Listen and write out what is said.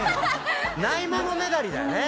ないものねだりだよね。